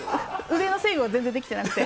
腕の制御が全然できてなくて。